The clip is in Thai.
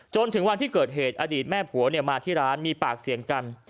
จนถึงวันที่เกิดเหตุอดีตแม่ผัวมาที่ร้านมีปากเสียงกัน